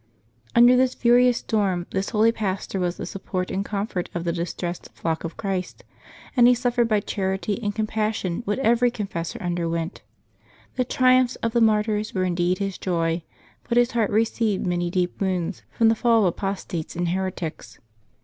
Under this furious storm this holy pastor was the support and comfort of the distressed flock of Christ, and he suffered by charity and compassion what every confessor underwent. The triumphs of the martyrs were indeed his joy, but his heart received many deep wounds from the fall of apostates and heretics.